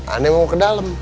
aneh mau ke dalam